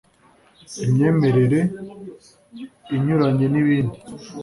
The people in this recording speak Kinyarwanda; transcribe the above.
imyemerere inyuranye n’ibindi